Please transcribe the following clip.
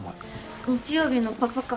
日曜日のパパ感